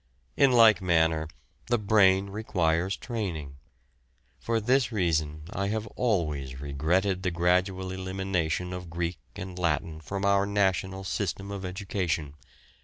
In like manner the brain requires training for this reason I have always regretted the gradual elimination of Greek and Latin from our national system of education.